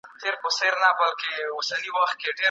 اقتصادي ثبات رامنځته کوي.